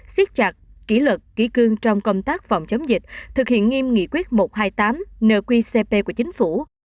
xiết chặt kỷ luật kỷ cương trong công tác phòng chống dịch thực hiện nghiêm nghị quyết một trăm hai mươi tám nqcp của chính phủ